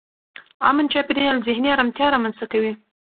امن چاپېریال ذهني ارامتیا رامنځته کوي.